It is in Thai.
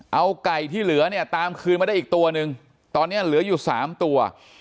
เอาไก่ที่เหลือเนี่ยตามคืนมาได้อีกตัวนึงตอนนี้เหลืออยู่๓ตัว